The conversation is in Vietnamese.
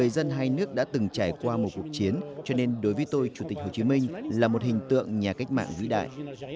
đức đã từng trải qua một cuộc chiến cho nên đối với tôi chủ tịch hồ chí minh là một hình tượng nhà cách mạng vĩ đại